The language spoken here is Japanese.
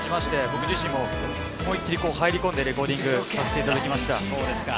僕自身も思い切り入り込んで、レコーディングをさせていただきました。